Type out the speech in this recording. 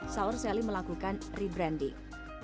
saur seli melakukan rebranding